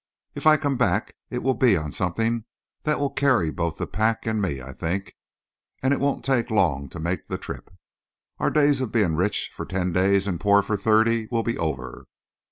If I come back it will be on something that will carry both the pack and me, I think, and it won't take long to make the trip. Our days of being rich for ten days and poor for thirty will be over.